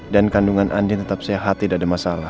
dan kandungan andi tetap sehat tidak ada masalah